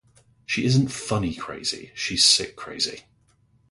She isn't funny crazy, she's sick crazy.